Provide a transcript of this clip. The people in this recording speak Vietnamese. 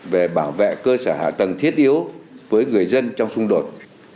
về bảo vệ cơ sở hạ tầng thiết yếu với người dân trong xung đột